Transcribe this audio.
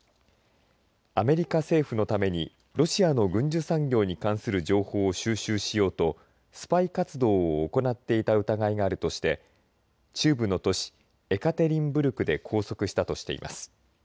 アメリカ政府のためにロシアの軍需産業に関する情報を収集しようとスパイ活動を行っていた疑いがあるとして中部の都市エカテリンブルクで拘束したと言います。